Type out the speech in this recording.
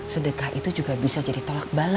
sedekah itu juga bisa jadi tolak bala